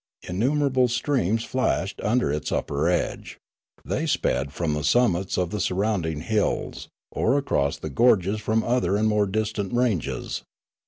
Innumerable streams flashed Rimla 101 under its upper edge; they sped from the summits of the surrounding hills, or across the gorges from other and more distant ranges.